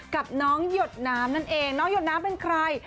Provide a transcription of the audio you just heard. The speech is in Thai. กับน้องหยดน้ำนั่นเองน้องหยดน้ำเป็นใคร